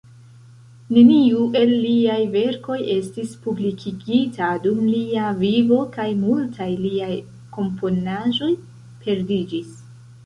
Neniu el liaj verkoj estis publikigita dum lia vivo, kaj multaj liaj komponaĵoj perdiĝis.